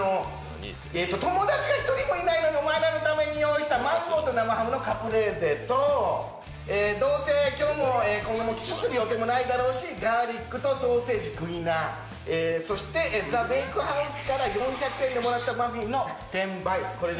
えーと、「友達が１人もいないお前らのために用意したマンゴーと生ハムのカプレーゼ」と「どうせ今日も今後もキスする予定もないだろうし、ガーリックとソーセージ食いな」、そして「ｔｈｅＢＡＫＥＨＯＵＳＥから４００円でもらったマフィンの転売」、これで。